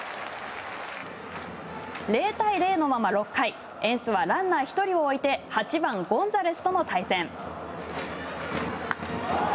０対０のまま６回エンスはランナー１人を置いて８番ゴンザレスとの対戦。